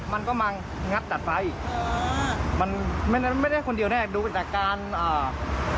มันก็มังงัดตัดไฟอ๋อมันไม่ได้คนเดียวแน่ดูแต่การอ่า